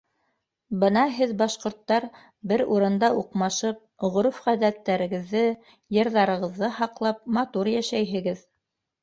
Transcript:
Бына һеҙ, башҡорттар, бер урында уҡмашып, ғөрөф- ғәҙәттәрегеҙҙе, йырҙарығыҙҙы һаҡлап, матур йәшәйһегеҙ.